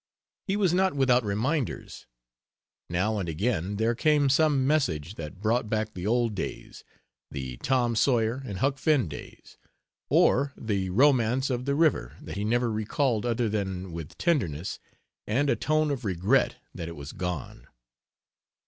He was not without reminders. Now and again there came some message that brought back the old days the Tom Sawyer and Huck Finn days or the romance of the river that he never recalled other than with tenderness and a tone of regret that it was gone.